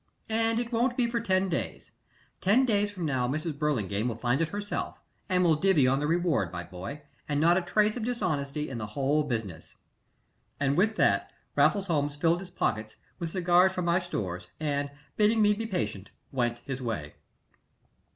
"And it won't be for ten days. Ten days from now Mrs. Burlingame will find it herself and we'll divvy on the reward, my boy, and not a trace of dishonesty in the whole business." And with that Raffles Holmes filled his pockets with cigars from my stores, and bidding me be patient went his way.